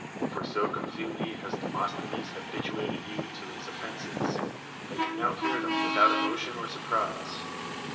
For so com pletely lias Demosthenes habituated you to his offenses, that you. now hear tlieiii without emo tion or sur})rise.